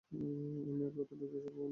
আমি ওর গর্তে ঢুকেই ওকে মারব।